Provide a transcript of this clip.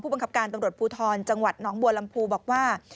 บังคับการตำรวจภูทรจังหวัดน้องบัวลำพูบอกว่า